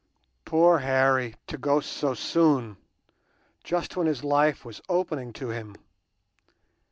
"Poor Harry to go so soon! just when his life was opening to him.